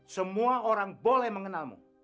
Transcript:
semua orang boleh mengenalmu